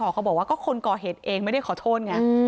ที่เค้าบอกว่าก็คนก่อเหตุเองมาที่ขอโทษไงอืม